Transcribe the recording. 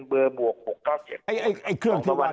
เบอร์๖๙๗